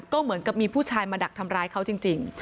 ก็เหมือนกับมีผู้ชายมาดักทำร้ายเขาจริง